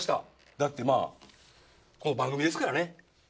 だってまあこの番組ですからね。